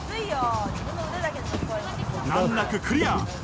難なくクリア。